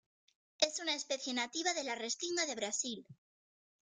Es una especie nativa de la restinga de Brasil.